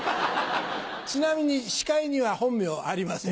ちなみに司会には本名ありません。